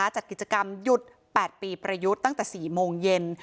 จัดกิจกรรมหยุด๘ปีประยุทธ์ตั้งแต่๔โมงเย็น